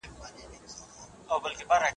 څه شی ګاونډی هیواد له لوی ګواښ سره مخ کوي؟